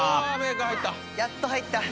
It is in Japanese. やっと入った。